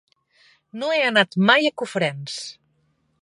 No he anat mai a Cofrents.